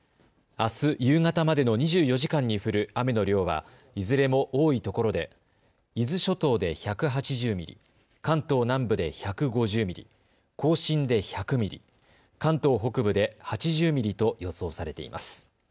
あす夕方までの２４時間に降る雨の量はいずれも多いところで伊豆諸島で１８０ミリ、関東南部で１５０ミリ、甲信で１００ミリ、関東北部で８０ミリと予想されています。